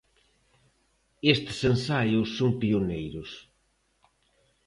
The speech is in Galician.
Estes ensaios son pioneiros.